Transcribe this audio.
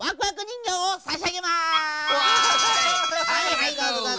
はいどうぞどうぞ。